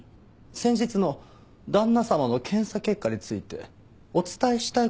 先日の旦那様の検査結果についてお伝えしたい事があると。